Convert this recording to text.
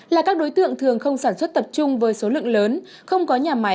là các đối tượng thường không sản xuất tập trung với số lượng lớn không có nhà máy